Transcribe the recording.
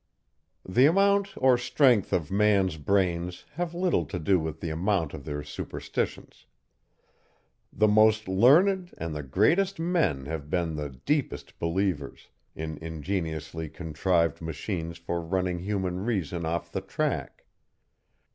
The amount or strength of man's brains have little to do with the amount of their superstitions. The most learned and the greatest men have been the deepest believers in ingeniously contrived machines for running human reason off the track.